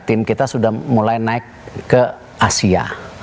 tim kita sudah mulai naik ke asia